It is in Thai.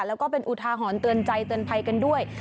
แล้วก็เป็นอุทาหรณ์เตือนใจเตือนภัยกันด้วย